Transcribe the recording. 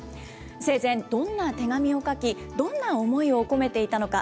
生前、どんな手紙を書き、どんな思いを込めていたのか。